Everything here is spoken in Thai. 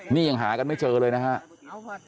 นี่ยังหากันไม่เจอเลยนะครับ